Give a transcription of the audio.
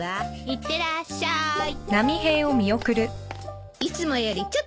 いってらっしゃい。